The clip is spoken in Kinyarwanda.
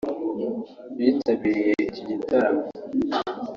yitabiriye iki gitaramo